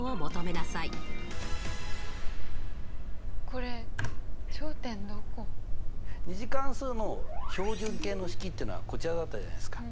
これ２次関数の標準形の式というのはこちらだったじゃないですか。